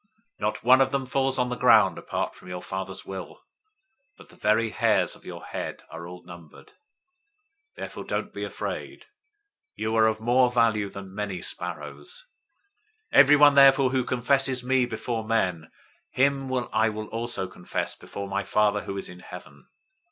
Not one of them falls on the ground apart from your Father's will, 010:030 but the very hairs of your head are all numbered. 010:031 Therefore don't be afraid. You are of more value than many sparrows. 010:032 Everyone therefore who confesses me before men, him I will also confess before my Father who is in heaven.